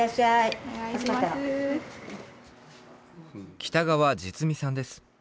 北川實美さんです。